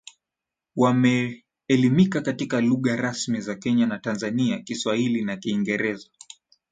wameelimika katika lugha rasmi za Kenya na Tanzania Kiswahili na Kiingereza